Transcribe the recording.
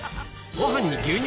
ご飯に牛乳？